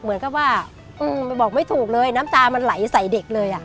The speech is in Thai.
เหมือนกับว่าบอกไม่ถูกเลยน้ำตามันไหลใส่เด็กเลยอ่ะ